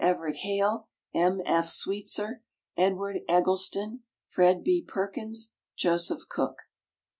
EVERETT HALE, M. F. SWEETSER, EDWARD EGGLESTON, FRED. B. PERKINS, JOSEPH COOK.